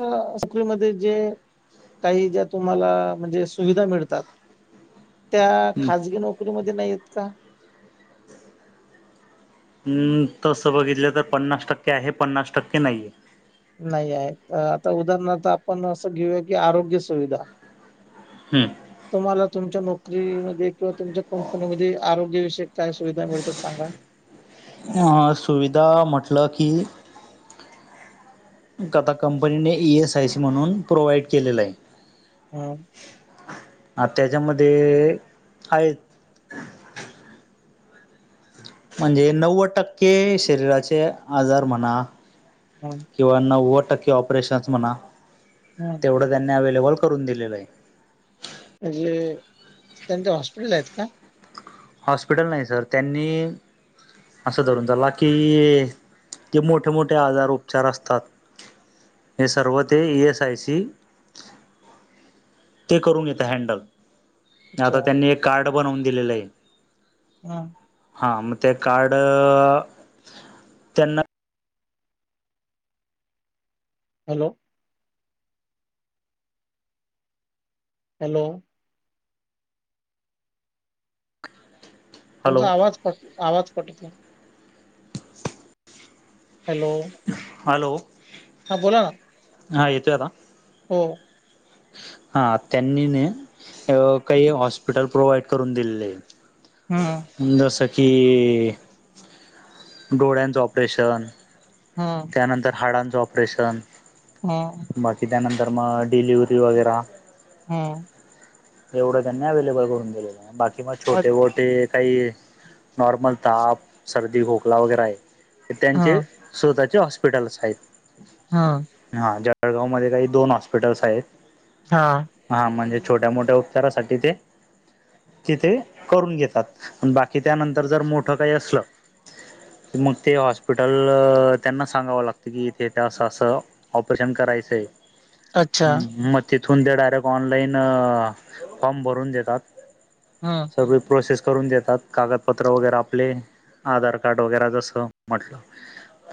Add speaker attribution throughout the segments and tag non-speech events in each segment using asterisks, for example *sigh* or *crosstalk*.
Speaker 1: नोकरीमध्ये जे काही ज्या तुम्हाला म्हणजे सुविधा मिळतात त्या खाजगी नोकरीमध्ये नाहीत का?
Speaker 2: तसं बघितलं तर पन्नास टक्के आहे, पन्नास टक्के नाही ये.
Speaker 1: नाही आहे तर, आता उदाहरणार्थ आपण असं घेऊया की आरोग्य सुविधा.
Speaker 2: हम्म.
Speaker 1: तुम्हाला तुमच्या नोकरीमध्ये किंवा तुमच्या कंपनीमध्ये आरोग्यविषयक काय सुविधा मिळतात सांग?
Speaker 2: हा सुविधा म्हटलं की, कथा कंपनीने ई एस आय सी म्हणून प्रोव्हाइड केलेला आहे.
Speaker 1: हा.
Speaker 2: आ त्याच्यामध्ये आहे. म्हणजे नव्वद टक्के शरीराचे आजार म्हणा,
Speaker 1: हा.
Speaker 2: किंवा नव्वद टक्के ऑपरेशन्स म्हणा.
Speaker 1: हम्.
Speaker 2: तेवढं त्यांना अवे्लेबल करून दिलेलंय आहे.
Speaker 1: म्हणजे त्यांचे हॉस्पिटल आहेत का.
Speaker 2: हॉस्पिटल नाही सर त्यांनी. असं धरून झाला की ते मोठे मोठे आजार उपचार असतात हे सर्व ते ई एस आय सी ते करून घेत हँडल आता
Speaker 1: अच्छा
Speaker 2: त्यांनी एक कार्ड बनवून दिलेलं आहे.
Speaker 1: हा
Speaker 2: हा मग ते कार्ड त्यांना
Speaker 1: हॅलो. हॅलो.
Speaker 2: हॅलो
Speaker 1: तुमचा आवाज कट आवाज कट होतोय. Hello
Speaker 2: hello.
Speaker 1: हा बोला ना.
Speaker 2: हा येतोय आता.
Speaker 1: हो.
Speaker 2: हा त्यांनी न काही हॉस्पिटल प्रोव्हाइड करून दिलेलं ये.
Speaker 1: हम्.
Speaker 2: जसं की, डोळ्यांचं ऑपरेशन
Speaker 1: हा.
Speaker 2: त्यानंतर हाडांचं ऑपरेशन
Speaker 1: हा
Speaker 2: बाकी त्यानंतर मग डिलिवरी वगैरा
Speaker 1: हो.
Speaker 2: एवढं त्यांना अवेलेबल करून दिलेलं आहे, बाकी मग
Speaker 1: अ,
Speaker 2: छोटे मोठे. काही नॉर्मल ताप सर्दी खोकला वगैरे आहे. तर त्यांचे.
Speaker 1: हं
Speaker 2: स्वतःचे हॉस्पिटल्स आहेत.
Speaker 1: हा.
Speaker 2: हा जळगाव मध्ये काही दोन हॉस्पिटल्स आहेत
Speaker 1: हा..
Speaker 2: हा म्हणजे छोट्या मोठ्या उपचारासाठी ते. तिथे करून घेतात. पण बाकी त्यानंतर जर मोठं काही असल. की मग ते हॉस्पिटल त्यांना सांगावं लागतं. की इथे इथे असं असं. ऑपरेशन करायचंय,
Speaker 1: अच्छा.
Speaker 2: मग तिथून ते डायरेक्ट ऑनलाईन. फॉर्म भरून देतात. ‌
Speaker 1: हां..
Speaker 2: सगळ प्रोसेस करून देतात कागदपत्र वगैरे आपले आधार कार्ड वगैरे जसं म्हटल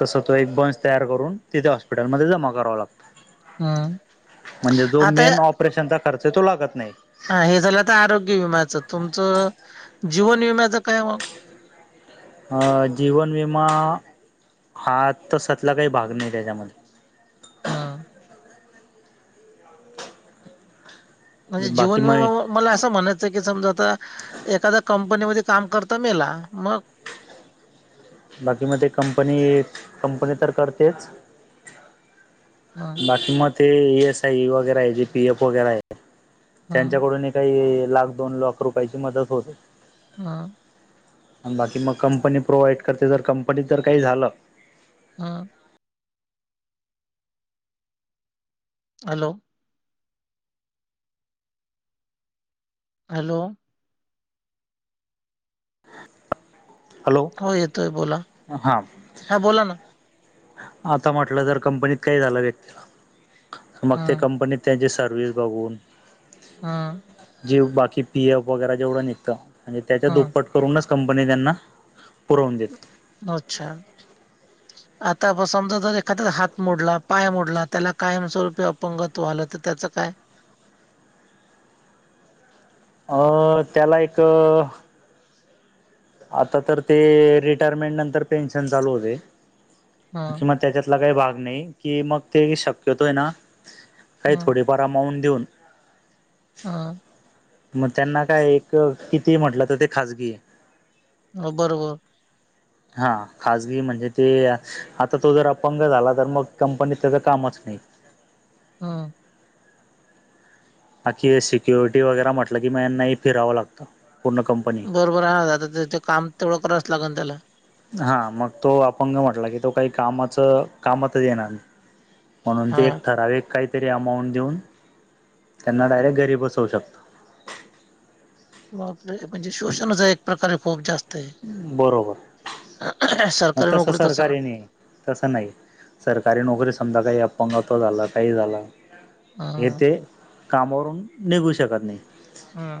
Speaker 2: तस तो एक बंच तयार करून तिथे हॉस्पिटलमध्ये जमा करावा लागतो.
Speaker 1: हं.
Speaker 2: म्हणजे जो
Speaker 1: आता
Speaker 2: मेन ऑपरेशनचा खर्च तो लागत नाही.
Speaker 1: हा हे झालं तर आरोग्य विम्याचं, तुमचं जीवन विम्याचं काय मग.
Speaker 2: हा.. जीवन विमा. हा तशातला काही भाग नाही तेच्यामध्ये.
Speaker 1: हा. म्हणजे
Speaker 2: बाकी
Speaker 1: जीवन विमा
Speaker 2: मग
Speaker 1: मला असं म्हणायचं की समजा आता एखाद्या कंपनीमध्ये काम करताना मेला मग
Speaker 2: बाकी मग ते कंपनी, कंपनी तर करतेच.
Speaker 1: हं,
Speaker 2: बाकी मग ते‌ इ एस आय वगैरे आहे. जे पी एफ वगैरे आहे
Speaker 1: हं,
Speaker 2: त्यांच्याकडून एक काही लाख दोन लाख रुपयांची मदत होते.
Speaker 1: हा.
Speaker 2: आणि बाकी मग कंपनी प्रोव्हाइड करते. तर कंपनीत तर काही झालं.
Speaker 1: हा. हॅलो. हॅलो.
Speaker 2: हॅलो
Speaker 1: हो येतोय बोला,
Speaker 2: हां
Speaker 1: हा बोला ना.
Speaker 2: आता म्हटल जर कंपनीत काही झाल व्यक्तीला मग ते
Speaker 1: हं,
Speaker 2: कंपनीत त्यांची सर्व्हिस बघून
Speaker 1: हा.
Speaker 2: जीव बाकी पी एफ वगैरे जेवढं निघतं. म्हणजे त्यांच्या
Speaker 1: हं.
Speaker 2: दुप्पट. करूनच कंपनी त्यांना पुरवून देते
Speaker 1: अच्छा.
Speaker 2: *inaudible*
Speaker 1: आता समजा जर एखाद्या हात मोडला पाय मोडला त्याला कायमस्वरूपी अपंगत्व आल तर त्याचं काय?
Speaker 2: अ त्याला एक. आता तर ते रिटायरमेंट नंतर पेन्शन चालू होते
Speaker 1: हं,
Speaker 2: त्याच्यातला काही भाग नाही की, मग ते शक्यतो आहे ना काही
Speaker 1: हं,
Speaker 2: थोडीफार अकाऊंट देऊन.
Speaker 1: हा.
Speaker 2: मग त्यांना काय एक किती म्हटलं, तर ते खाजगी आहे.
Speaker 1: हो बरोबर!
Speaker 2: हा खाजगी म्हणजे ते आता तो जर अपंग झाला तर मग कंपनीत त्याचं कामच नाही.
Speaker 1: हम!
Speaker 2: आनकी सिक्युरिटी वगैरा म्हटलं की म नाही फिरावं लागतं लागत पूर्ण कंपनी.
Speaker 1: बरोबर त्या काम तेवढं करावच लागल त्याला.
Speaker 2: हा मग तो अपंग म्हटला की तो काही कामाच कामत येणा. म्हणून ते
Speaker 1: हां,
Speaker 2: एक ठराविक काहीतरी अमाऊंट देऊन त्यांना डयरेक्ट घरी बसवू शकता.
Speaker 1: बापरे म्हणजे शोषणच आहे एक प्रकारे खूप जास्त. आहे.
Speaker 2: बरोबर!
Speaker 1: *unintelligible*
Speaker 2: आता स
Speaker 1: असं
Speaker 2: सरकार
Speaker 1: ना.
Speaker 2: येणे‌. तसं नाही सरकारी नोकरी समजा काही अपंगत्व झालं, काही झालं, हे
Speaker 1: हां,
Speaker 2: ते कामावरून निघू शकत नाही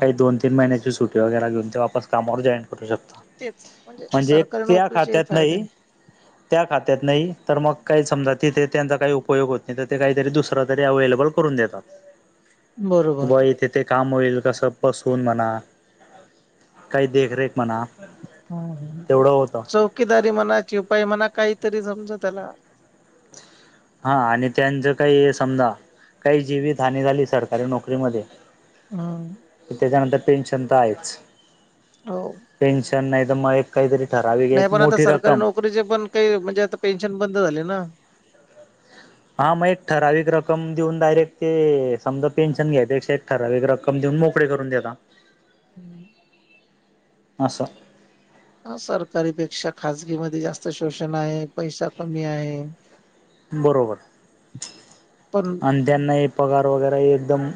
Speaker 2: काही दोन तीन महिन्याची सुटी वगैरे घेन ते वाप कामावर जॉईन करू शकता.
Speaker 1: तेच म्हणजे सरकारी
Speaker 2: त्या
Speaker 1: नोकरीचे
Speaker 2: खात्यात
Speaker 1: फायदे.
Speaker 2: *inaudible* त्या खात्यात नाही तर मग काही समजा तिथे त्यांचा काही उपयोग होत नाही, तिथे काहीतरी दुसरं तरी अवेलेबल करून देतात हे
Speaker 1: बरोबर.
Speaker 2: ब ते काम होईल कसं पसवून म्हणा, काही देखरेख म्हणा,
Speaker 1: हम ह
Speaker 2: तेवढं होतं
Speaker 1: चौकीदारी म्हणा, शिपाई म्हणा काहीतरी जमतं त्याला.
Speaker 2: हा आणि त्यांचं काही समजा काही जीवितहानी झाली सरकारी नोकरीमध्ये.
Speaker 1: हम!
Speaker 2: तेच्यानंतर पेन्शन तर आहेच.
Speaker 1: हो.
Speaker 2: पेन्शन नाही तर मग एक काहीतरी ठरावीक
Speaker 1: नाही
Speaker 2: एक
Speaker 1: पण आता
Speaker 2: मोठी
Speaker 1: सरकारी
Speaker 2: रक्कम.
Speaker 1: नोकरीचे पण काही ते म्हणजे आता पेन्शन बंद झाले ना.
Speaker 2: हा मग एक ठराविक रक्कम देऊन डायरेक्ट ते समजा पेन्शन घ्यायपेक्षा एक ठराविक रक्कम. कम देऊन मोकळे करून देता.
Speaker 1: हम्म!
Speaker 2: अस.
Speaker 1: हा सरकारीपेक्षा खाजगी मध्ये जास्त शोषण आहे पैसा कमी आहे.
Speaker 2: बरोबर
Speaker 1: पण
Speaker 2: आंध्यान हे पगार वगैरे हे एकदम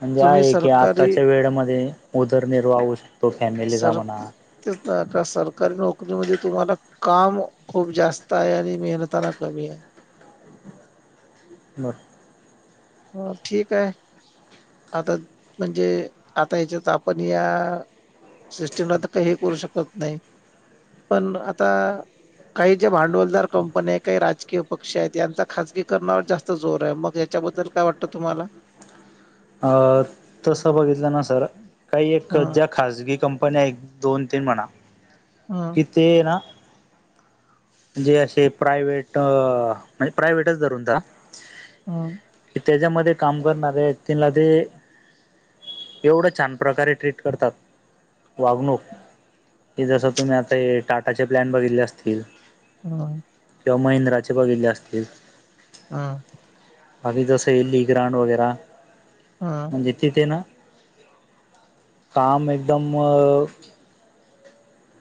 Speaker 2: म्हणजे
Speaker 1: तुम्ही
Speaker 2: आहे की
Speaker 1: सरकारी
Speaker 2: आताच्या वेळेमध्ये उदरनिर्वाह होऊ शकतो फॅमिलीचा
Speaker 1: सर
Speaker 2: म्हणा.
Speaker 1: तेच ना आता सरकारी नोकरीमध्ये तुम्हाला काम खूप जास्त आहे आणि मेहनताना कमी आहे.
Speaker 2: म
Speaker 1: हा ठीक आहे. आता म्हणजे आता ह्याच्यात आपण या सिस्टीमला तर काही हे करू शकत नाही पण आता काही जे भांडवलदार कंपन्या आहेत, काही राजकीय पक्ष आहेत, यांचा खासगीकरणावर जास्त जोर आहे मग याच्याबद्दल काय वाटतं तुम्हाला.
Speaker 2: अ तस बघितलं ना सर काही एक
Speaker 1: हं,
Speaker 2: जॅक खाजगी कंपन्या एक दोन तीन म्हणा.
Speaker 1: हं.
Speaker 2: कि ते ना. म्हणजे असे प्रायव्हेट म्हणजे प्रायव्हेटच धरून चला.
Speaker 1: हम्म.
Speaker 2: त्याच्यामध्ये काम करणारे व्यक्तींला ते एवढं छान प्रकारे ट्रीट करतात वागणूक हे जसं तुम्ही आता हे टाटाचे प्लॅन बघितले असतील.
Speaker 1: हं.
Speaker 2: किंवा महिंद्राचे बघितले असतील.
Speaker 1: हं.
Speaker 2: बाकी जसे लेग्रंराड वगैरा.
Speaker 1: हा.
Speaker 2: म्हणजे तिथे ना काम एकदम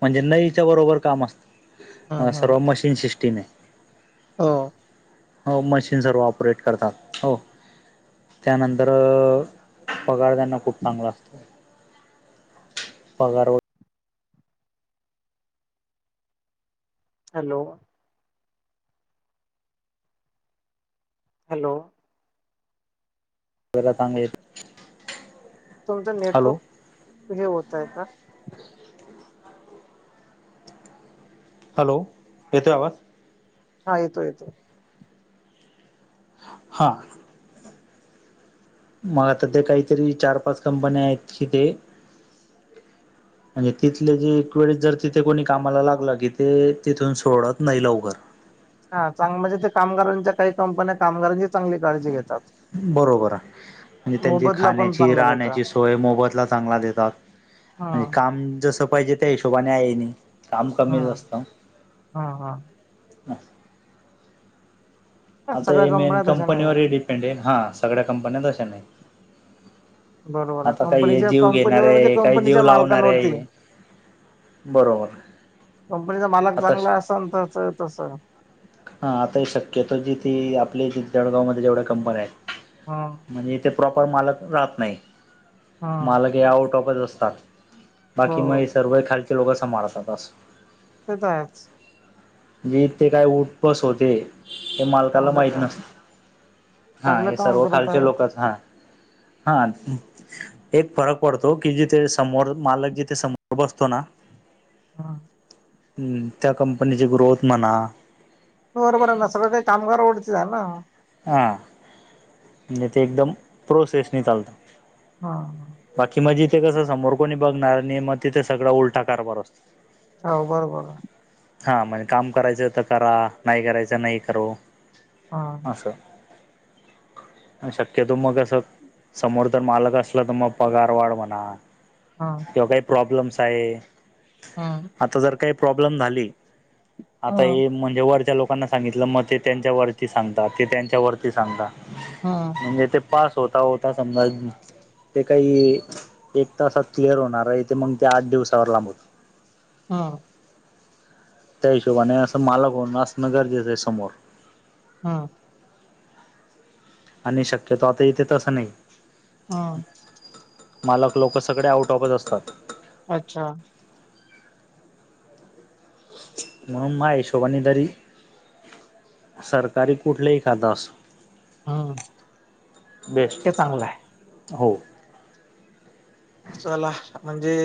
Speaker 2: म्हणजे नईच्या बरोबर काम असतं.
Speaker 1: हं, हं.
Speaker 2: सर्व मशीन सिस्टीम आहे.
Speaker 1: हो.
Speaker 2: हो मशीन सर्व ऑपरेट करतात हो त्यानंतर पगार त्यांना खूप चांगला असतो. पगारवर
Speaker 1: हॅलो! हॅलो!
Speaker 2: ला चांगले.
Speaker 1: तुमचं
Speaker 2: हॅलो
Speaker 1: नेटवर्क हे होत आहे का?
Speaker 2: हॅलो येतोय आवाज.
Speaker 1: हा येतो येतो.
Speaker 2: हा. मग आता ते काहीतरी चार पाच कंपन्या आहेत तिथे. म्हणजे तिथले जे एक वेळेस जर तिथे कोणी कामाला लागलं की ते तिथून सोडत नाही लवकर.
Speaker 1: हा चांगलं जिथे कामगारांच्या काही कंपन्या कामगारांची चांगली काळजी घेतात.
Speaker 2: बरोबर आहे म्हणजे त्यांची
Speaker 1: मोबदला पण
Speaker 2: खाण्याची
Speaker 1: चांगला देतात
Speaker 2: राहण्याची सोय मोबतला चांगला देतात.
Speaker 1: हा
Speaker 2: म्हणजे काम जसं पाहिजे त्या हिशोबाने आहे नाही काम कमीच असतं.
Speaker 1: हा हा. हा
Speaker 2: आता
Speaker 1: सगळ्या
Speaker 2: हे मेन
Speaker 1: कंपन्या तशा नाही आहेत.
Speaker 2: कंपनीवरही डिपेंड आहे हा सगळ्या कंपन्या अशा नाही.
Speaker 1: बरोबर आहे
Speaker 2: आता काही हे
Speaker 1: कंपनीच्या
Speaker 2: जीव घेणार
Speaker 1: कंपनीवर म्हणजे
Speaker 2: आहे काही जीव
Speaker 1: कंपनीच्या
Speaker 2: लावणार
Speaker 1: मालकांवरती.
Speaker 2: आहे बरोबर आहे.
Speaker 1: कंपनीचा मालक चांगला असेल तर तसं
Speaker 2: हा आता हे शक्यतो जी ती आपले जळगाव मध्ये जेवढ्या कंपन्या आहेत.
Speaker 1: हा.
Speaker 2: म्हणजे इथे प्रॉपर मालक राहत नाही
Speaker 1: हा
Speaker 2: मालक हे आउट ऑफच असतात.
Speaker 1: हो
Speaker 2: बाकी मग हे सर्व खालचे लोक समारंभात असतात.
Speaker 1: तेे तर आहेच.
Speaker 2: इथे काय उटपस होते. हे मालकांना
Speaker 1: चांगलं
Speaker 2: माहित
Speaker 1: काम
Speaker 2: नसत हा
Speaker 1: चांगलं
Speaker 2: हे
Speaker 1: काम
Speaker 2: सर्व
Speaker 1: करत
Speaker 2: खालचे
Speaker 1: आहेत.
Speaker 2: लोकच हा. हा. एक फरक पडतो की जिथे समोर मालक जिथे समोर बसतो ना
Speaker 1: हा.
Speaker 2: हुं त्या कंपनीची ग्रोथ म्हणा.
Speaker 1: बरोबर आहे ना सगळं काही कामगर *unintelligible*
Speaker 2: हां म्हणजे ते एकदम प्रोसेसनी चालतं.
Speaker 1: हा.
Speaker 2: बाकी‌ म्हणजे इथे कसं समोर कोणी बघणार नाही मग तिथे सगळां उलटा कारभार असतो.
Speaker 1: हो बरोबर आहे.
Speaker 2: हा म्हणजे काम करायचंय तर करा नाही करायचंय नाही करो.
Speaker 1: हा.
Speaker 2: असं हा शक्यतो मग असं समोर तर मालक असला तर मग पगार वाढ होणार.
Speaker 1: हा.
Speaker 2: किंवा काही प्रॉब्लेम्स आहे.
Speaker 1: हा.
Speaker 2: आता जर काही प्रॉब्लेम झाले आता
Speaker 1: हा
Speaker 2: हे म्हणजे वरच्या लोक *unintelligible* सांगितलं मग ते त्यांच्या वरती सांगतात ते त्यांच्या वरती सांगतात.
Speaker 1: हा.
Speaker 2: म्हणजे ते पास होता होता *unintelligible* ते काही एक तासात क्लिअर होणार आहे ते मग ते आठ दिवसावर लांबवतं.
Speaker 1: हा.
Speaker 2: त्या हिशोबाने असं मालक होणं असणं गरजेचं आहे समोर.
Speaker 1: हा.
Speaker 2: आणि शक्यतो आता इथे तसं नाही.
Speaker 1: हा.
Speaker 2: मालक लोकं सगळे आउट ऑफचं असतात.
Speaker 1: अच्छा.
Speaker 2: म- माझ्या हिशोबाने तरी सरकारी कुठलंही खातं असो.
Speaker 1: हम्म
Speaker 2: बेस्ट.
Speaker 1: ते चांगलं आहे.
Speaker 2: हो.
Speaker 1: चला अ म्हणजे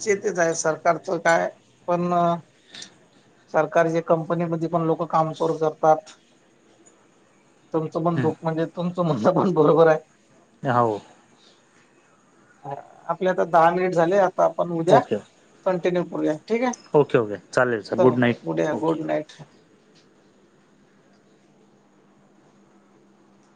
Speaker 1: चे तेच आहे सरकारचं काय पणं सरकारची कंपनीमध्ये पण लोकं कामचोर करतात. तुमचं पण
Speaker 2: हं.
Speaker 1: दुख म्हणजे तुमचं म्हणणं पण बरोबर आहे.
Speaker 2: *unintelligible*
Speaker 1: अ आपले आता दहा मिनिट झाले आता आपण उद्या
Speaker 2: ओके
Speaker 1: कंटिन्यू करूया ठीक आहे.
Speaker 2: ओके ओके चालेल सर
Speaker 1: चला
Speaker 2: गुड
Speaker 1: उद्या
Speaker 2: नाईट ओके
Speaker 1: गुड नाईट.